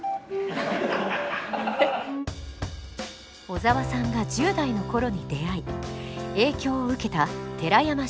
小沢さんが１０代の頃に出会い影響を受けた寺山修司。